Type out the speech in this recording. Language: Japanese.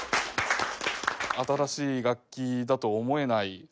新しい楽器だと思えないそうですね